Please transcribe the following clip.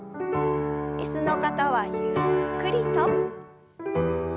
椅子の方はゆっくりと。